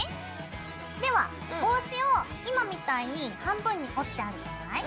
では帽子を今みたいに半分に折ってあるじゃない？